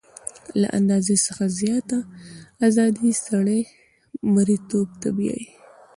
له اندازې څخه زیاته ازادي سړی مرییتوب ته بیايي.